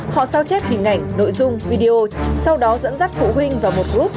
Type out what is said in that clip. họ sao chép hình ảnh nội dung video sau đó dẫn dắt phụ huynh vào một group